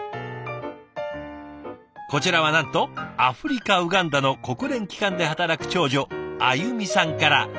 こちらはなんとアフリカ・ウガンダの国連機関で働く長女あゆみさんから。